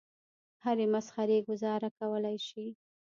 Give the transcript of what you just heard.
هرې مسخرې ګوزاره کولای شي.